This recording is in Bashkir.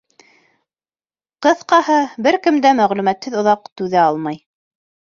Ҡыҫҡаһы, бер кем дә мәғлүмәтһеҙ оҙаҡ түҙә алмай.